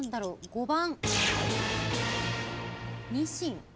５番。